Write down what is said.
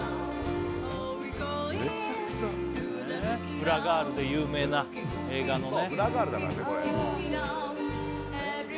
「フラガール」で有名な映画のね